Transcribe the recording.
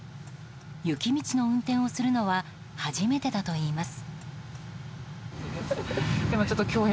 雪道の運転をするのは初めてだといいます。